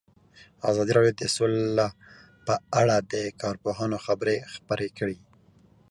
ازادي راډیو د سوله په اړه د کارپوهانو خبرې خپرې کړي.